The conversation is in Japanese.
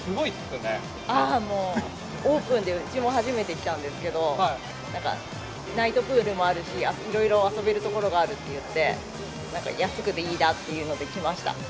ああ、もう、オープンでうちも初めてきたんですけれども、ナイトプールもあるし、いろいろ遊べる所があるっていって、なんか安くていいなっていうので来ました。